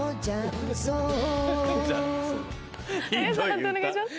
判定お願いします。